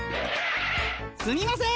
すみません。